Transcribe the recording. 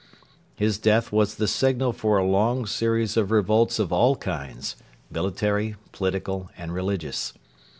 His death was the signal for a long series of revolts of all kinds military, political, and religious.